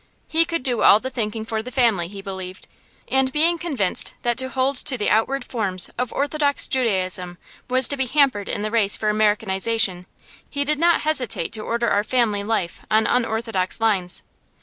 He could do all the thinking for the family, he believed; and being convinced that to hold to the outward forms of orthodox Judaism was to be hampered in the race for Americanization, he did not hesitate to order our family life on unorthodox lines.